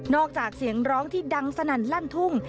จากเสียงร้องที่ดังสนั่นลั่นทุ่ง